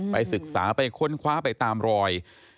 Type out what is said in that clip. ไปศึกษาไปค้นคว้าไปตามรอย